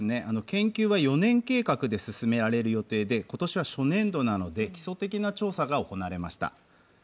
研究は４年計画で進められる予定で、今年は初年度なので基礎的な調査が行われました。